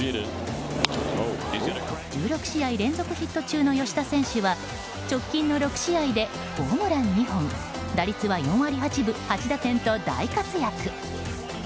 １６試合連続ヒット中の吉田選手は直近の６試合で、ホームラン２本打率は４割８分、８打点と大活躍。